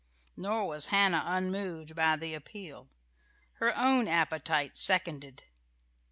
Nor was Hannah unmoved by the appeal. Her own appetite seconded.